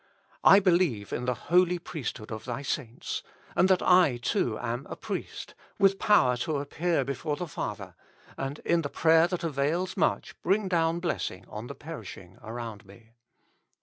1 believe in the Holy Priesthood of Thy Saints, and that I too am a priest, with power to appear before the Father, and in the prayer that avails much bring down blessing on the perishing around me.